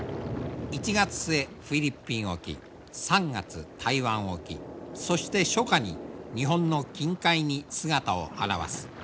１月末フィリピン沖３月台湾沖そして初夏に日本の近海に姿を現す。